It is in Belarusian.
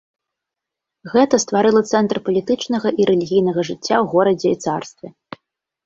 Гэта стварыла цэнтр палітычнага і рэлігійнага жыцця ў горадзе і царстве.